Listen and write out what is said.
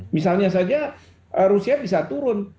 misalnya saja rusia bisa turun